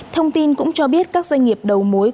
thông tin cũng cho biết các doanh nghiệp đầu mối